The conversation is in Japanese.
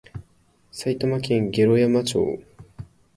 埼玉県毛呂山町